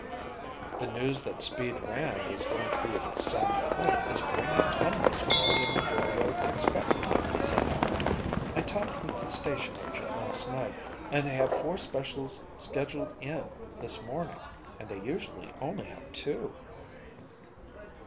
"The news that 'Speed' Rand is going to be at Sandy Point is bringing hundreds more than the railroad expected," said Helen. "I talked with the station agent last night and they have four specials scheduled in this morning and they usually only have two."